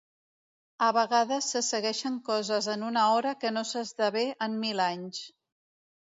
A vegades se segueixen coses en una hora que no s'esdevé en mil anys.